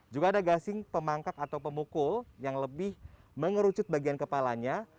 juga ada gasing pemangkak atau pemukul yang lebih mengerucut bagian kepalanya